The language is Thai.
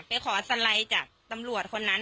ไปขอสไลด์จากตำรวจคนนั้น